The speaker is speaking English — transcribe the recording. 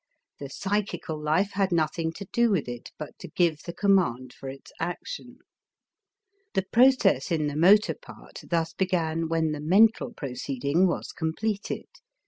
The psychical life had nothing to do with it but to give the command for its action. The process in the motor part thus began when the mental proceeding was completed.